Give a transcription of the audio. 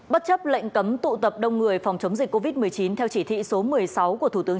bất chấp lệnh cấm tụ tập đông người phòng chống dịch covid một mươi chín theo chỉ thị số một mươi sáu của thủ tướng